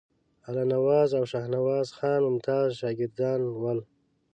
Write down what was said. الله نواز او شاهنواز خان ممتاز شاګردان ول.